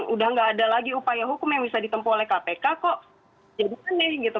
sudah tidak ada lagi upaya hukum yang bisa ditempuh oleh kpk kok jadikan deh